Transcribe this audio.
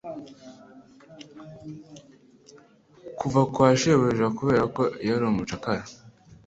kuva kwa shebuja kubera ko yari umucakara